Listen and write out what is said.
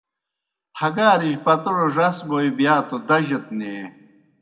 ہگارِجیْ پتوڑ ڙَس بوئے بِیا توْ دجَت نیں۔